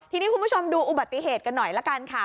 ทีนี้คุณผู้ชมดูอุบัติเหตุกันหน่อยละกันค่ะ